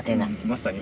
まさに。